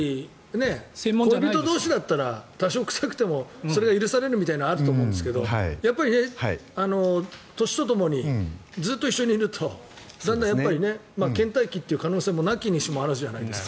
恋人同士だったら多少臭くてもそれは許されるみたいなのあると思うんですがやっぱり年とともにずっと一緒にいるとだんだんけん怠期っていう可能性もなきにしもあらずじゃないですか。